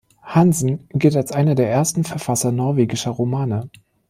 Hansen gilt als einer der ersten Verfasser norwegischer Romane.